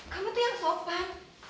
kamu tuh yang sopan